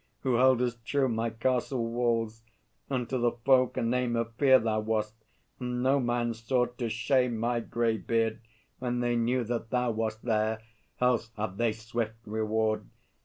who heldest true My castle walls; and to the folk a name Of fear thou wast; and no man sought to shame My grey beard, when they knew that thou wast there, Else had they swift reward!